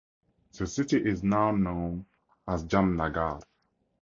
The city is now known as Jamnagar.